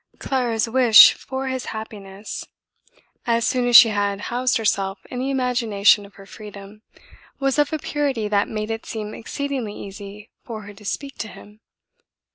Clara's wish for his happiness, as soon as she had housed herself in the imagination of her freedom, was of a purity that made it seem exceedingly easy for her to speak to him.